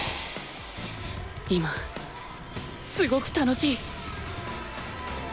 今すごく楽しい